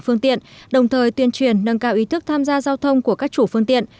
phương tiện đồng thời tuyên truyền nâng cao ý thức tham gia giao thông của các chủ phương tiện